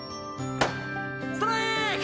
ストライーク！